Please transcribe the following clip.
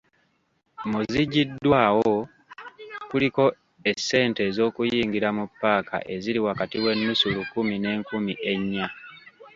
Mu ziggyiddwawo kuliko essente z'okuyingira mu paaka eziri wakati w'ennusu lukumi n'enkumi ennya..